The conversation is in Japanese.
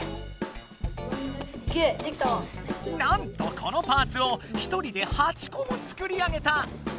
なんとこのパーツを１人で８こも作り上げた！